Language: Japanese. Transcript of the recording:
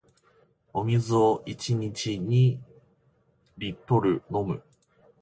お水を一日二リットル飲む